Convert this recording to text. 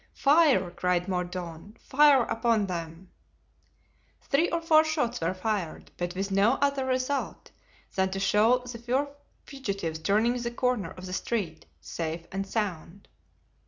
"Fire!" cried Mordaunt; "fire upon them!" Three or four shots were fired, but with no other result than to show the four fugitives turning the corner of the street safe and sound.